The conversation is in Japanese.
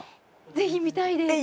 ぜひ見たいです。